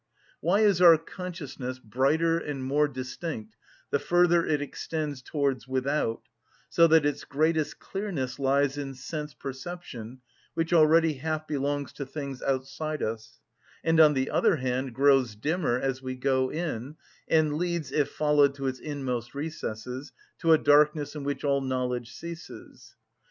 Why is our consciousness brighter and more distinct the further it extends towards without, so that its greatest clearness lies in sense perception, which already half belongs to things outside us,—and, on the other hand, grows dimmer as we go in, and leads, if followed to its inmost recesses, to a darkness in which all knowledge ceases?